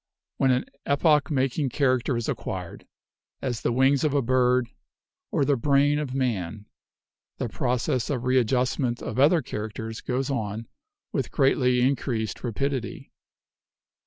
When an epoch making character is acquired, as the wings of a bird or the brain of man, the process of readjustment of other characters goes on with greatly increased rapidity.